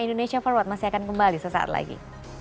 indonesia forward masih akan kembali sesaat lagi